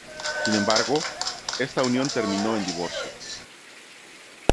Sin embargo, esta unión terminó en divorcio.